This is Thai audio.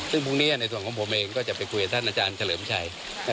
ซึ่งพรุ่งนี้ในส่วนของผมเองก็จะไปคุยกับท่านอาจารย์เฉลิมชัย